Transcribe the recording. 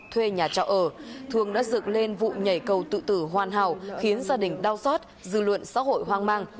thương đã dựng lên vụ nhảy cầu tự tử hoàn hảo khiến gia đình đau xót dư luận xã hội hoang mang